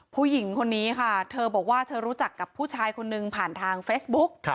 ผู้หญิงคนนี้ค่ะเธอบอกว่าเธอรู้จักกับผู้ชายคนนึงผ่านทางเฟซบุ๊ก